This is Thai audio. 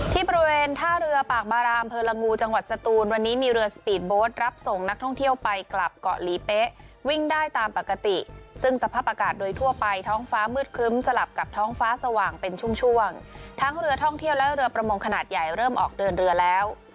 ที่บริเวณท่าเรือปากบารามเผลอลงูจังหวัดสตูนวันนี้มีเรือสปีดโบสต์รับส่งนักท่องเที่ยวไปกลับเกาะหลีเป๊ะวิ่งได้ตามปกติซึ่งสภาพอากาศโดยทั่วไปท้องฟ้ามืดครึ้มสลับกับท้องฟ้าสว่างเป็นช่วงช่วงทั้งเรือท่องเที่ยวและเรือประมงขนาดใหญ่เริ่มออกเดินเรือแล้ว